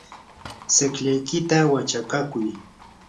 tsiqllaykita wachakakuy.